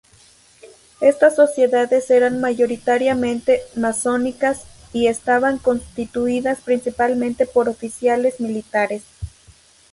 Estas sociedades eran mayoritariamente masónicas y estaban constituidas principalmente por oficiales militares.